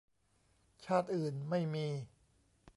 ชาติอื่นไม่มี